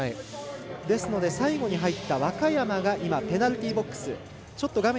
ですので最後に入った若山がペナルティーボックス。